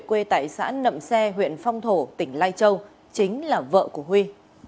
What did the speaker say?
quê tài sản nậm xe huyện phong thổ tỉnh lai châu chính là vợ của huy